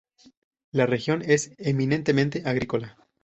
La región es eminentemente agrícola.